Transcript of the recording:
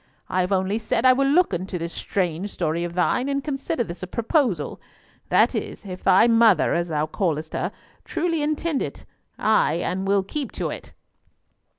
I have only said I will look into this strange story of thine, and consider this proposal—that is, if thy mother, as thou callest her, truly intend it—ay, and will keep to it."